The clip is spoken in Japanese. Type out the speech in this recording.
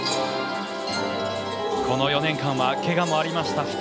この４年間はけがもありました。